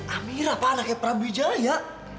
amirah pak anaknya prabu wijaya